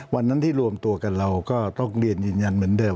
วันนั้นที่รวมตัวกันเราก็ต้องเรียนยืนยันเหมือนเดิม